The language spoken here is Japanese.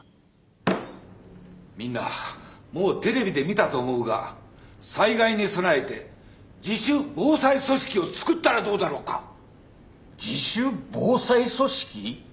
みんなもうテレビで見たと思うが災害に備えて自主防災組織を作ったらどうだろうか。